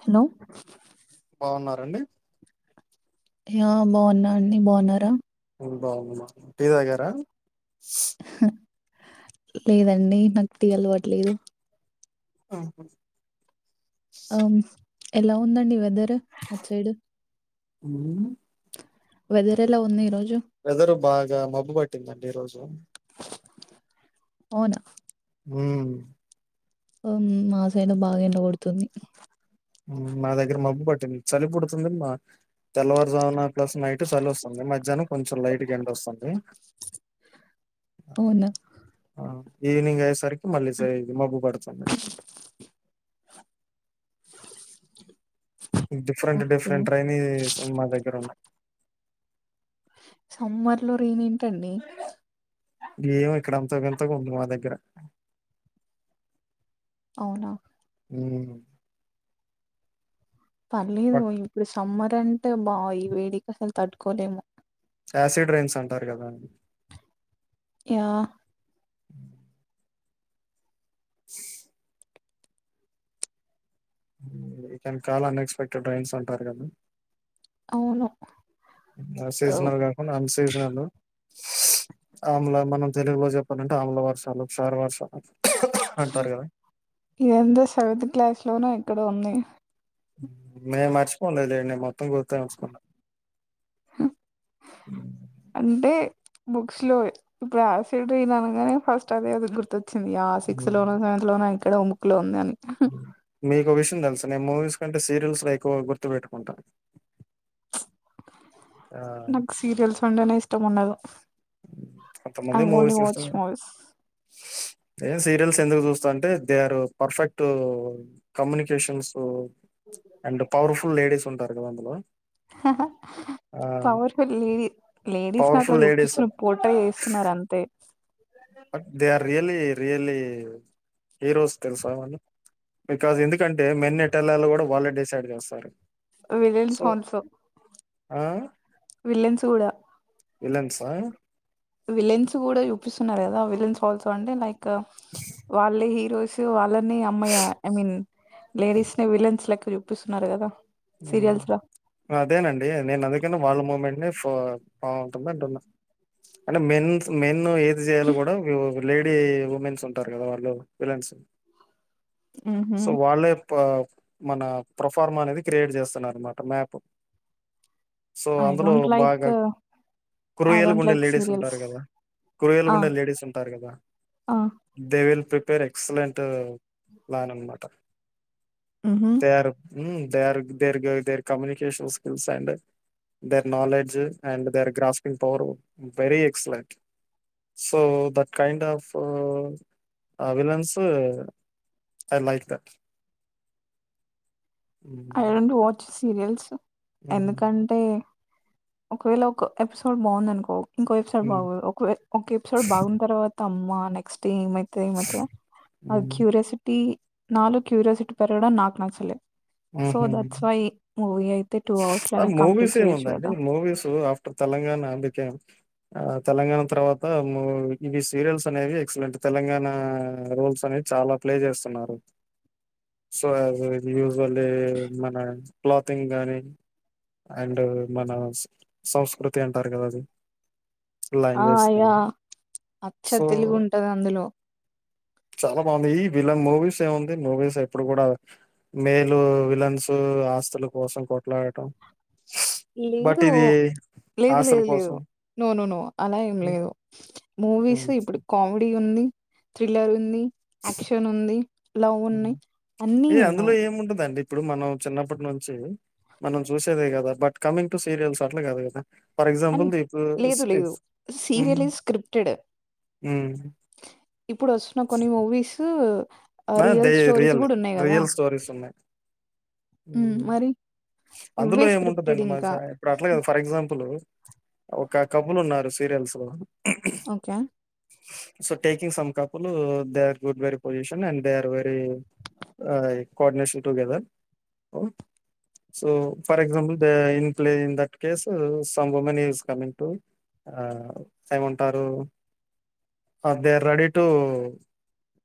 Hello బాగున్నండి ఆ బాగున్నా అండి బాగున్నారా నేను బాగునా టీ తగ్గారా లేదండి నాకు టీ అలవట్లేదు ఆఓహా ఆ ఎలా ఉందండి వెదర్ అటు సైడ్ హ్మ్ వెదర్ ఎలా ఉంది ఈ రోజు వెదరు బాగా మబ్బు పట్టిందండి ఈరోజు అవునా ఉమ్ అవును మా సైడ్ బాగా ఎండగోడుతుంది మా దగ్గర మబ్బు పట్టింది చలి పుడుతుందమ్మా తెల్లవారుజామున ప్లస్ నైట్ చలి వస్తుంది మధ్యాహ్నం కొంచెం లైట్ గ ఎండా వస్తుంది అవునా ఆ, ఈవినింగ్ అయ్యేసరికి మళ్ళీ ఇ మబ్బు పడుతుంది different okay. Different rainy summer మా దగ్గర ఉన్నా సమ్మర్ లో రేన్ ఏంటండి ఏమో ఇక్కడ అంత వింతగా ఉంది మా దగ్గర అవునా ఉమ్ పర్లేదు పక్- ఇప్పుడు సమ్మర్ అంటే బా ఈ వేడికి అసలు తట్టుకోలేము యాసిడ్ రైన్స్ అంటారు కదా యా కానీ కాల అన్ ఎక్స్పెక్టెడ్ రైస్స్ ఉంటారు కదా అవును. ఆహ్, సిజనల్ కాకుండా ఆన్ సీజనల్ ఆమ్ల మనం తెలుగులో చెప్పాలంటే ఆమ్ల వర్షాలు క్షార వర్షాలు అంటారు కదా! ఇదంతా సెవెంత్సె క్లాస్ లోన ఇక్కడో ఉంది మేము మర్చిపోలేదు లేండి మొత్తం గుర్తంచుకున్నా అంటే బుక్స్ లో ఇప్పుడు యాసిడ్ అయిననుగానే ఫస్ట్ అదేది గుర్తచ్చు య సిక్స్ లోనో సెవంత్ లో ఇక్కడ బుక్కులో ఉంది అని మీకు ఓ విష్ లుసా నేను మూవీస్ కంటే సీరియల్స్ లో ఎక్కువ గుర్తుపెట్టుకుంటా ఆ! నాకు సీరియల్స్ అంటేనే ఇష్టం ఉండదు ఆ కొంతమంది ఓన్లీ వాచ్చ్ మూవీస్ నేన్ సీరియల్స్ ఎందుకు చూస్తా అంటే they are perfect communications and power full ladies ఉంటారు కదా అందులో ఆ! పవర్ ఫుల్ లేడీస్ లేడీస్ ని అట్లా పవర్‌ఫుల్ లేడీస్ చూపిస్తూ పొ వంట వేస్తున్నారు అంతే ట్ they are really really heroes తెలుసా వాళ్లు బికాజ్ ఎందుకంటే మెన్నెటెల్లల కూడా వాళ్ళే డిసైడ్ చేస్తారు సో విలన్స్ఆల్సోసో విలన్స్ కూడా విలన్సా విలన్స్ కూడా చూపిస్తున్నారు కదా విలన్స్ ఆల్సో అంటే లైక్ వాళ్ళే హీరోస్ వాళ్ళని అమ్మాయి ఐ మీన్ లేడీస్ ని విలెన్స్ లెక్క చూపిస్తున్నారు కదా ఉ సీరియల్స్ లో అదేనండి నేను అందుకన్నా వాళ్ళ మూమెంట్ ఫోర్ బాగుంటుంది అంటున్నా అంటే మెన్ ఏది చేయాలో కూడా లేడీ ఉమెన్స్ ఉంటారు కదా వాళ్ళు విలన్స్ ఉహు సో వాళ్ళే నా మన ప్రొఫార్మ్ అనేది క్రియేట్ చేస్తున్నారు అనమాట మ్యాప్ సో ఐ అందులో డోంట్ లైక్ బాగా ఐ కృయల్ గా డోంట్ గుండే లైక్ లేడీస్ సీరియల్స్ ఉంటారు కదా కృయల్ ఆ గుండే లేడీస్ ఉంటారు కదా ఆ దే విల్ ప్రిపేర్ ఎక్సలెంట్ లా అన్నమాట ఉహు దేర్. హు their their communication skills and their knowledge and their grasping power very excellent so that kind of villains I like that I don't watch serials ఎందుకంటే ఒకవేళ ఒక ఎపిసోడ్ బాగుంద అనుకో ఇంకో episode బాగదు ఒక ఎపిసోడ్ బాగున తర్వాత అమ్మ నెక్స్ట్ డే ఏమైతే టైం పడతదా ఆ క్యూరియాసిటీ నాలో క్యూరియాసిటీ పెరగడం నాకు నచ్చలేదు ఉ హు టూ అవర్స్ లో అ కంప్లీట్ మూవీస్ ఏము చేయొచ్చు ఉందండి కదా మూవీస్ ఆఫ్టర్ తెలంగాణ గన అందుకే ఆ తెలంగాణ తర్వాత ము ఇవి సీరియల్స్ అనేవి ఎక్సలెంట్ తెలంగాణ రోల్స్ అనేవి చాలా ప్లే చేస్తున్నారు సో యజ్ యూజ్వల్లి మన క్లాతింగ్ గానీ అండ్ మన సంస్కృతి అంటారు కదా అది ఆ లాంగ్వేజ్ యా కానీ అచ్చ సో తెలుగు ఉంటది అందులో చాలా బాగుంది ఈ విలన్ మూవీస్ ఏముంది మూవీస్ ఎప్పుడు కూడా మేలు విలన్స్ ఆస్తుల కోసం కొట్లాడటం బట్ లేదు ఇది లేదు ఆస్తుల లేదు లేదు కోసం నో నో నో అలా ఏం ఉమ్, లేదు మూవీస్ ఉమ్, ఇప్పుడు కామెడీ ఉంది థ్రిల్లర్ ఉంది యాక్షన్ ఉంది లవ్ ఉమ్. ఉన్నాయ్ అన్ని ఏ అందులో ఉన్నాయ్ ఏముంటదండి ఇప్పుడు మనం చిన్నప్పటి నుంచి మనం చూసేదే కదా బట్ కమింగ్ టు సీరియల్స్ అట్లా కాదు కదా ఫార్ ఎక్జాంపుల్ అండ్ దీపు లేదు. లేదు. హ్మ్ సీరియల్ ఈజ్ స్క్రిప్టెడ్. ఉ ఇప్పుడు వస్తున్న కొన్ని మూవీసు ఆ దే రియల్ రియల్ స్టోరీస్ ఉన్నాయ్ హ్మ్. మరి అందులో ఇవ్వే స్క్రిప్టెడ్ ఏముంటదండి ఇంకా. మజా ఇప్పుడు అట్లా కాదు ఫర్ ఎగ్జాంపులు ఒక కపుల్ ఉన్నారు సీరియల్స్ లో okay. So taking some couple they are good very position and they are very a coordination together oh so for example the in play in that case some women is coming to ఆ ఏమంటారు ఆ they are ready to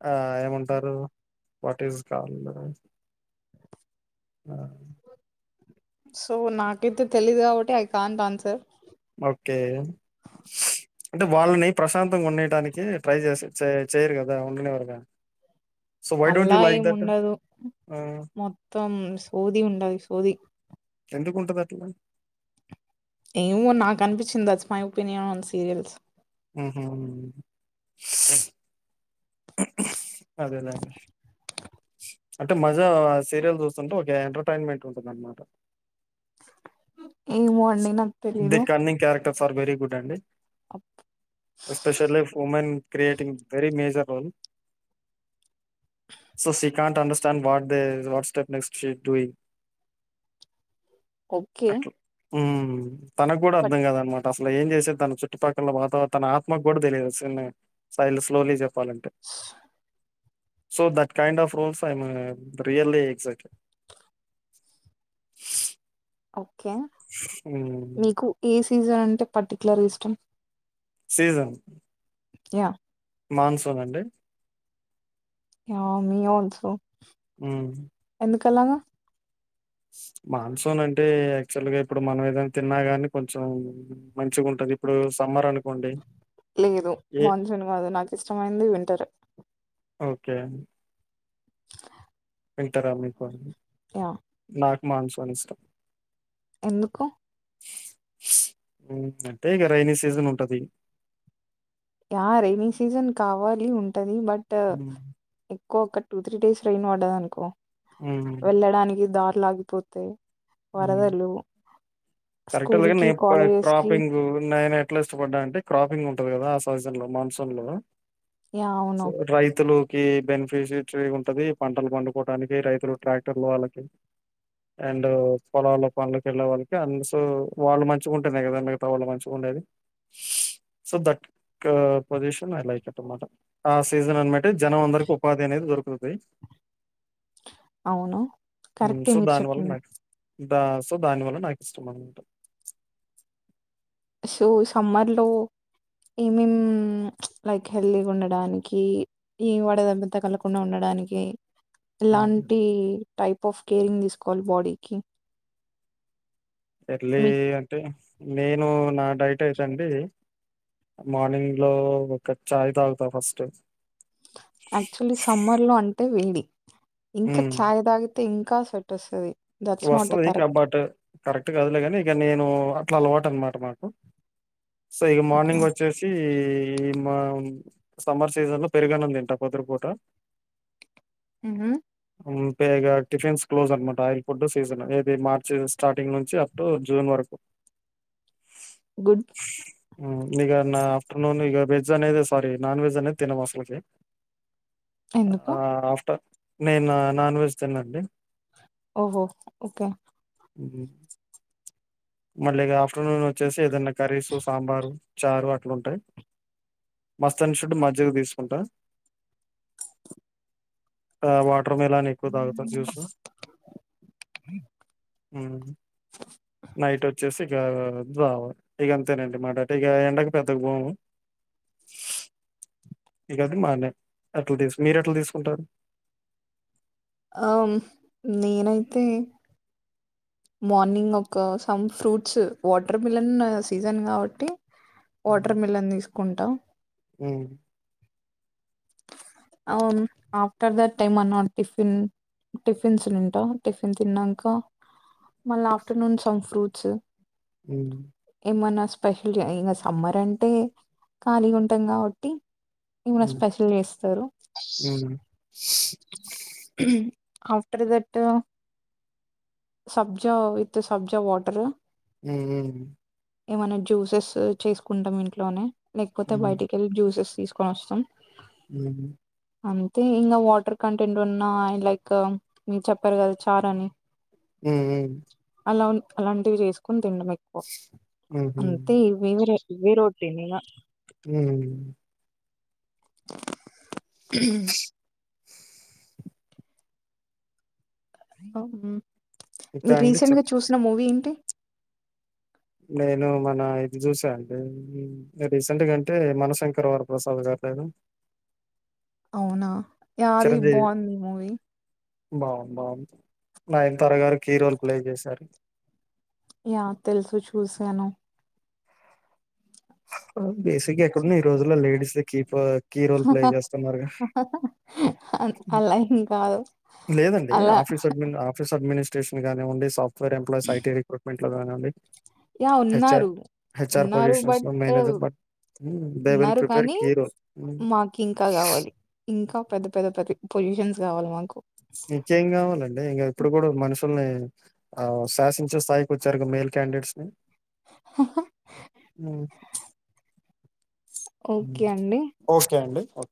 ఆ ఏమం అంటారు what is call ఆ so నాకైతే తెలీదు కాబట్టి ఐ కాంట్ ఆన్సర్ ఓకే అంటే వాళ్ళని ప్రశాంతంగా ఉండనీయటానికి ట్రై చేస్తా చే చేయరు కదా ఉండనివ్వరుగా సో వై డోంట్ అల్లా యూ లైక్ ఏం దట్ ఉండదు మొత్తం సోది ఉండది సోది ఎందుకుంటాది అట్లా ఏమో నాకు అనిపిచింది that's my opinion on serials ఉ హు అదే లేండి అంటే మజా సీరియల్ చూస్తుంటే ఒక ఎంటర్టైన్మెంట్ ఉంటది అనమాట ఏమో అండి నాకు దే తెలీదు cunning character for very good అండి especially women creating very major role so she can't understand what they what step next she doing okay ఉహ్ తనకు కూడా బట్ అర్థంకాదు అన్నమా ట అసలు ఏం చేసేది తన చుట్టుపక్కల వాతో తన ఆత్మకు కూడా తెలియదు సైలు స్లోలీ చెప్ చెప్పాలంటే so that kind of roles I'm really excited okay హ్మ్. మీకు ఏ సీజన్ అంటే పర్టిక్యులర్ ఇష్టం సీజన్ యా మాన్సూన్ అండి యా మీ ఆల్సో ఉ కలాంగా మాన్సూన్ అంటే యాక్చువల్ గా ఇప్పుడు మనం ఏదైనా తిన్నా కాగాని కొంచెం మంచిగా ఉంటది ఇప్పుడు సమ్మర్ అనుకోండి లేదు ఏ మాన్సూన్ కాదు నాకు ఇష్టమైంది వింటర్ ఓకే వెంటార మీకు య మన్సూన్ ఇష్టం ఎందుకు అంటే ఇగ రైనీ సీజన్ ఉంటది ఆ రెైన సీజన్ కావాలి ఉంటది బట్ హ్మ్. ఇకో ఒక టూ త్రీ డేస్ రైన్ పడదు అనుకో హ్మ్. వెళ్ళడానికి దారిలాగిపోతే హు కరెక్ట్ స్కూల్ అలాగ న కి కాలేజెస్ కి క్రాపింగ్ ఉన్న అట్లా ఇష్టపడ్డా అంటే క్రాపింగ్ ఉంటది కదా ఆ సీజన్ లో మాన్సూన్ లో యా అవును రైతులు క బెనిఫిషిరీ ఉంటది పంటలు పండుకోవటానికి రైతులు ట్రాక్టర్లు వాళ్ళకి అండ్ పొలల్లో పనులకి వెళ్ళే వాళ్ళకి అ సో వాళ్ళు మంచిగా ఉంటేనే కదా మిగతా వాళ్ళ మంచిగా ఉండేది సో దట్ కా పొజిషన్ అలాయికట్నమాట ఆ సీజన్ అనమాటే జనం అందరికి ఉపాధి అనేది దొరుకుతుది అవును కరెక్టే సో మీరు దాని వాళ చెప్పింది న్ దా సో దాని వల్ల నాకు ఇష్టం అన్నమాట సో సమ్మర్ లో ఏమేం లైక్ హెల్దీగా ఉండడానికి ఈ వడ దెబ్బ తగలకుండా ఉండడానికి డానికి ఎలాంటి టైప్ ఆఫ్ కేరింగ్ తీసుకోవాలి బాడీకి ఎర్లీ మీకు అంటే నేను నా డైట్ అయితే అండి మార్నింగ్ లో ఒక చాయ్ తాగుతా ఫస్ట్ యాక్చువల్లీ సమ్మర్ లో అంటే వేడి ఇంకా ఛాయ్ తాగితే ఇంకా స్వెట్ వస్తది దట్స్ నాట్ ఎ వస్తుది కా కరెక్ట్ బట్ కరెక్ట్ కాదులే కాని ఇక నేను అట్ల అలవాటు అన్నమాట మాకు సో ఈ ఓకే మార్నింగ్ వచ్చేసి ఈ మా సమ్మర్ సీజన్ లో పెరిగన్నం తింట పొద్దటి పూట ఉహు పేగా టిఫిన్స్ క్లోజ్ అన్నమాట ఆయిల్ ఫుడ్ సీజన్ ఏది మార్చ్ స్టార్టింగ్ నుంచి అప్ టు జూన్ వరకు గుడ్ ఉమ్ ఇగ నా ఆఫ్టర్నూన్ ఇక వెజ్ అనేది సారీ నాన్ వెజ్ అనేది తినము అసలకి ఎందుకు ఆఫ్టర్ నేనా నాన్ వెజ్ తిననండి ఓహో ఓకే ఉహు మళ్ళీ ఆఫ్టర్నూన్ వచ్చేసి ఏదన్న కర్రీసు సాంబారు చారు అట్ల ఉంటయి మోస్ట్ అండ్ షుడ్ మజ్జిగ తీసుకుంటా ఆ వాట్ టర్ మిలన్ ఎక్కువ తాగుతా జ్యూస్ ఉమ్ స నైట్ వచ్చేసి ఇక జావా ఇక అంతేనండి మాకైతే ఇక ఎండకి పెద్దగ పోము ఇకది మాన్నే అట్ల తీసు మీరు ఎట్ల తీసుకుంటారు ఆ నేనైతే మార్నింగ్ ఒక some fruits water melon season కాబట్టి వాటర్ మిలన్ తీసుకుంటా ఉమ్ ఆమ్ ఆఫ్టర్ దట్ ఏమన్నా టిఫిన్ టిఫిన్స్ తింటా టిఫిన్ తిన్నంకా మళ్ళ ఆఫ్టర్నూన్ సమ్ ఫ్రూట్స్ ఉమ్ ఏమన్నా స్పెషల్ ఇంగా సమ్మర్ అంటే ఖాళీగ ఉంటాం కాబట్టి ఏమన్న స్పెషల్ చేస్తరు అవునా ఆఫ్టర్ దట్ సబ్జా విత్ సబ్జా వాటర్ ఉమ్ ఉమ్ ఏమైన్న జ్యూసెస్ చేసుకుంటాం ఇంట్లోనే లేకపోతే హ్మ్ బయటికెళ్ళి జ్యూసెస్ తీసుకొని వస్తం ఉహు అంతే ఇంకా వాటర్ కంటెంట్ ఉన్నా అండ్ లైక్ మీరు చెప్పారు కదా చార్ అని ఉమ్ ఉమ్ అలా అలాంటివి చేసుకొని తినడం ఎక్కువ హ్మ్ అంతే హ్మ్ ఇవే ఇవే రొటీన్ ఇగ ఉమ్ ఇంకా ఇంకా మీరు అండి రీసెంట్గా చెప్ చూసిన మూవీ ఏంటి నేను మన ఇది చూసా అండి రీసెంట్ గా అంటే మనశంకర వర ప్రసాద్ గారి [unintelligible] అవునా యాది బాగుంది మూవీ బాగును బాగుంది నాయనతర గారు కీ రోల్ ప్లే చేశారు యా తెలుసు చూసాను బేసిక్ గా ఎక్కడన్నా ఈ రోజుల ladies keep key role play చేస్తున్నారు గా అన్- అలా ఏం కాదు లేదండి అలా ఆఫ్ ఆ ఆఫీస్ అడ్మినిట్రేషన్ గావండి సాఫ్ట్వేర్ ఎంప్లాయిస్ ఐటీ రిక్రూట్మెంట్ లో గావడి యా ఉన్నారు ఉన్నారు బట్ పొజిషన్స్‌లో manager but hmm. They will ఉన్నారు ప్రిపేర్ కానీ కీ రోల్. హ్మ్. మాకు ఇంకా కావాలి ఇంకా పెద్ద పెద్ద పెద్ద పొజిషన్స్ కావాలి మాకు నిత్యేం కావాలండి ఇంకా ఇప్పుడు కూడా మనుషుల్ని ఆ శాసించే స్థాయికి వచ్చారు మెయిల్ క్యాండిడేట్స్ ని అ ఓకే అండి ఓకే అండి ఓ